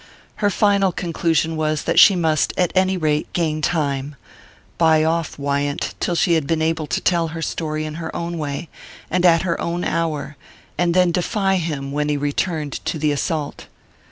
Her final conclusion was that she must, at any rate, gain time: buy off Wyant till she had been able to tell her story in her own way, and at her own hour, and then defy him when he returned to the assault.